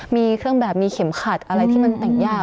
มีเครื่องแบบมีเข็มขัดอะไรที่มันแต่งยาก